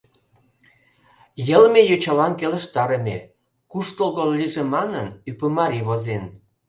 Йылме йочалан келыштарыме; куштылго лийже манын, Ӱпымарий возен.